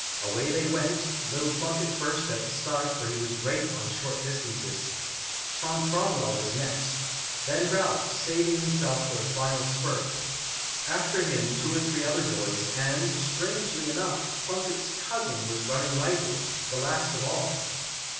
Away they went ; little Plunkett first, at the start, for he was great on short distances ; Tom Cromwell was next ; then Ralph, saving himself for the final spurt ; after him, two or three other boys, and, strangely enough, Plunkett's "cousin" was running lightly, the last of all.